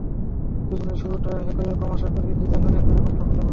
দুজনের শুরুটা একই রকম, আশা করি জিদানও একই রকম সাফল্য পাবে।